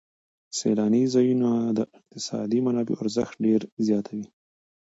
سیلاني ځایونه د اقتصادي منابعو ارزښت ډېر زیاتوي.